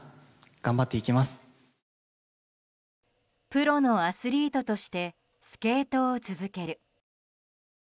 プロのアスリートとしてスケートを続ける。